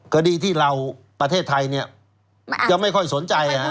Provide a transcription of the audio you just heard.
คดีที่เราประเทศไทยจะไม่ค่อยสนใจ